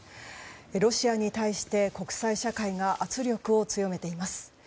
ロシアに対して国際社会が圧力を強めています。